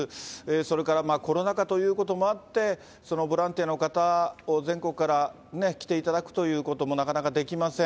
それからコロナ禍ということもあって、ボランティアを全国から来ていただくということもなかなかできません。